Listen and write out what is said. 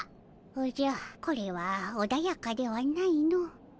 おじゃこれはおだやかではないの。